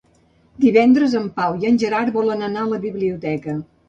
Divendres en Pau i en Gerard volen anar a la biblioteca.